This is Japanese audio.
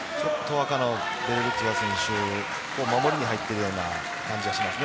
赤のベルルツェワ選手、守りに入っているような感じがしますね。